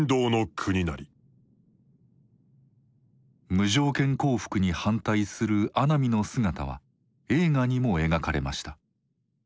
無条件降伏に反対する阿南の姿は映画にも描かれました。